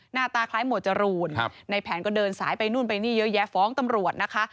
หน้าตาคล้ายหมวดจรูนในแผนก็เดินสายไปนู่นไปนี่เยอะแยะฟ้องตำรวจนะคะ